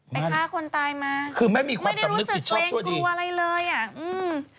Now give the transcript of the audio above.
ไปฆ่าคนตายมาคือแม่มีความจำนึกผิดชอบชั่วดีไม่ได้รู้สึกเกรงกลัวอะไรเลยอ่ะอืม